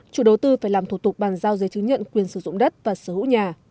chủ đầu tư phải làm thủ tục bàn giao giấy chứng nhận quyền sử dụng đất và sở hữu nhà